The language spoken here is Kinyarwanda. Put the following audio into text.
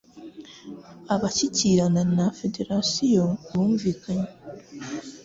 Abashyikirana na federasiyo bumvikanye.